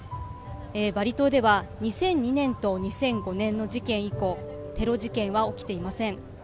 バリ島では２００２年と２００５年の事件以降テロ事件は起きていません。